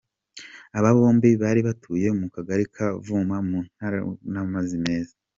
Aba bombi bari batuye mu Kagari ka Kavumu kataragerwamo n’amazi meza.